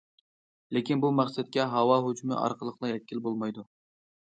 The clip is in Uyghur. لېكىن، بۇ مەقسەتكە ھاۋا ھۇجۇمى ئارقىلىقلا يەتكىلى بولمايدۇ.